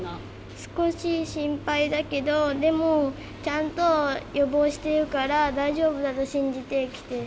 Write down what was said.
少し心配だけど、でも、ちゃんと予防しているから大丈夫だと信じて来て。